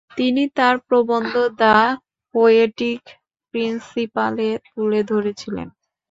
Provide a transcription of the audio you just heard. তিনি তাঁর প্রবন্ধ “দ্যা পোয়েটিক প্রিন্সিপাল” এ তুলে ধরেছিলেন।